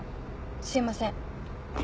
すいません。